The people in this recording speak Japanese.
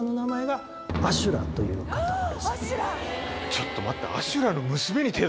ちょっと待って。